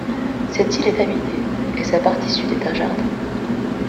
Cette île est habitée, et sa partie Sud est un jardin.